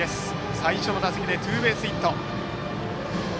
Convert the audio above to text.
最初の打席でツーベースヒット。